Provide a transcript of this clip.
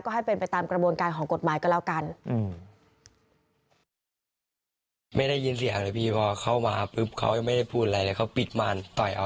ให้เป็นไปตามกระบวนการของกฎหมายก็แล้วกัน